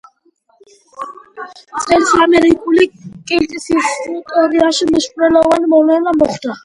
წელს, ამერიკული კილტის ისტორიაში მნიშვნელოვანი მოვლენა მოხდა.